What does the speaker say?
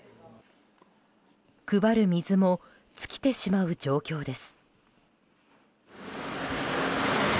配る水も尽きてしまう状況です。